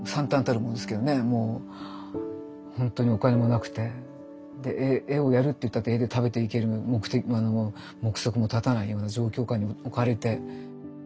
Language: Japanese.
ほんとにお金もなくて絵をやるっていったって絵で食べていける目測も立たないような状況下に置かれて。